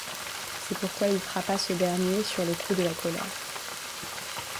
C'est pourquoi il frappa ce dernier sur le coup de la colère.